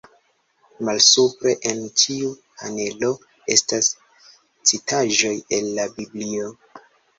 Malsupre en ĉiu panelo, estas citaĵoj el la Biblio.